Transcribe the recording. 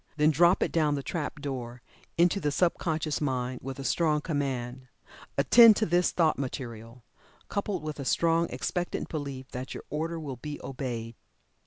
Then drop it down the trap door into the sub conscious mind, with a strong command, "Attend to this thought material," coupled with a strong expectant belief that your order will be obeyed.